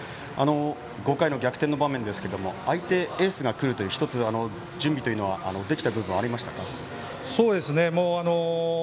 ５回の逆転の場面ですけど相手、エースがくると１つ準備ができていた部分はありましたか？